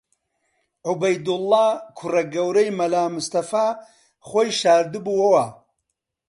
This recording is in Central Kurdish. عوبەیدوڵڵا، کوڕە گەورەی مەلا مستەفا خۆی شاردبۆوە